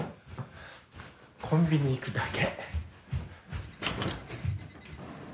コンビニ行くだけ。